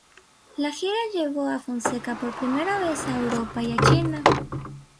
La gira llevó a Fonseca por primera vez a Europa y a China.